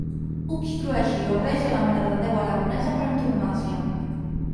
Obstrueixi o resi a la marededéu aragonesa per antonomàsia.